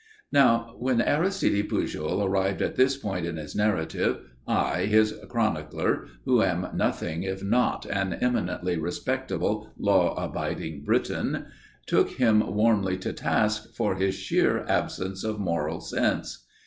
Now, when Aristide Pujol arrived at this point in his narrative I, his chronicler, who am nothing if not an eminently respectable, law abiding Briton, took him warmly to task for his sheer absence of moral sense.